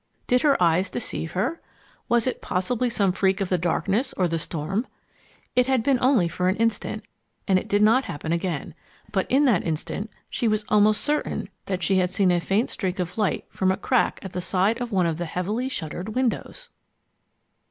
Did her eyes deceive her? Was it possibly some freak of the darkness or the storm? It had been only for an instant, and it did not happen again. But in that instant she was almost certain that she had seen a faint streak of light from a crack at the side of one of the heavily shuttered windows!